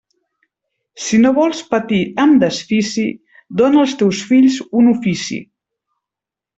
Si no vols patir amb desfici, dóna als teus fills un ofici.